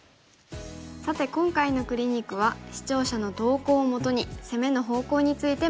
さて今回のクリニックは視聴者の投稿をもとに攻めの方向について学びました。